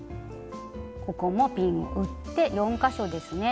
ここもピンを打って４か所ですね。